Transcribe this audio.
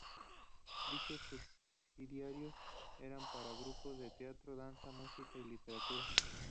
Dichos subsidios eran para grupos de teatro, danza, música y literatura.